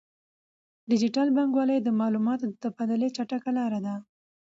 ډیجیټل بانکوالي د معلوماتو د تبادلې چټکه لاره ده.